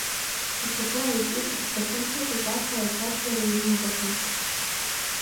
Ишьапы ааиҵихырц дахьынҭыҵыз, ақалақь абжара еимидахьан.